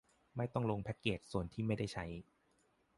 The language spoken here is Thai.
ไม่ต้องลงแพคเกจส่วนที่ไม่ได้ใช้